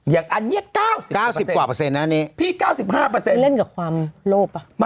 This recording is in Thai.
อย่างอันนี้๙๐ประเศษปี๙๕เล่นกับความโลภป่ะ